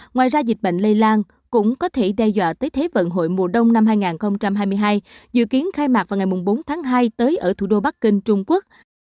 ngoài ra dịch bệnh lây lan cũng có thể đe dọa tới thế vận hội mùa đông năm hai nghìn hai mươi hai dự kiến khai mạc vào ngày bốn tháng hai tới ở thủ đô bắc kinh trung quốc